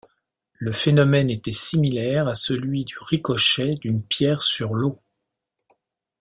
Le phénomène était similaire à celui du ricochet d'une pierre sur l'eau.